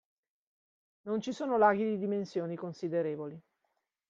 Non ci sono laghi di dimensioni considerevoli.